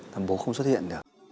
là bố không xuất hiện được